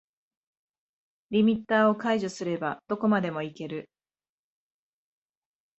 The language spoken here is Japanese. リミッターを解除すればどこまでもいける